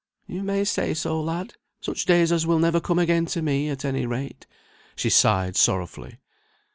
"You may say so, lad! Such days as will never come again to me, at any rate." She sighed sorrowfully.